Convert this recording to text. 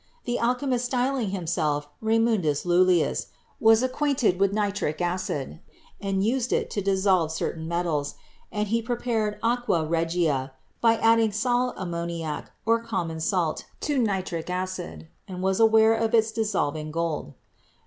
The alchemist styling him self Raymundus Lullius was acquainted with nitric acid and used it to dissolve certain metals, and he prepared "aqua regia" by adding sal ammoniac or common salt to nitric acid and was aware of its dissolving gold.